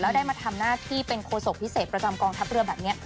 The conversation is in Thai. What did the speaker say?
แล้วได้มาทำหน้าที่เป็นโฆษกพิเศษประจำกองทัพเรือแบบนี้